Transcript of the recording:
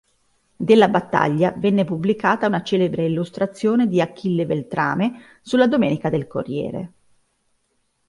Della battaglia venne pubblicata una celebre illustrazione di Achille Beltrame sulla Domenica del Corriere.